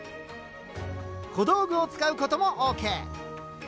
小道具を使うこともＯＫ。